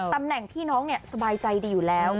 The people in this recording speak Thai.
ตำแหน่งพี่น้องสบายใจดีอยู่แล้ว